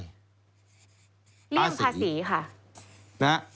เลี่ยงภาษีค่ะ